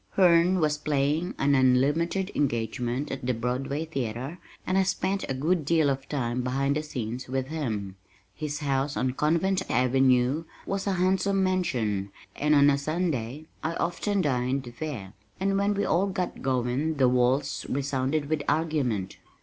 Herne was playing an unlimited engagement at the Broadway theater and I spent a good deal of time behind the scenes with him. His house on Convent Avenue was a handsome mansion and on a Sunday, I often dined there, and when we all got going the walls resounded with argument.